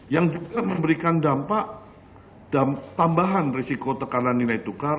yang juga memberikan dampak tambahan risiko tekanan nilai tukar